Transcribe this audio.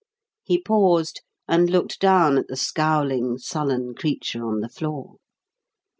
He paused and looked down at the scowling, sullen creature on the floor.